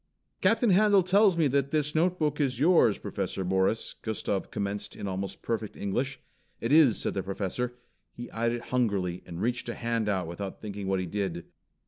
"Captain Handel tells me that this notebook is yours, Professor Morris," Gustav commenced in almost perfect English. "It is," said the Professor. He eyed it hungrily, and reached a hand out without thinking what he did.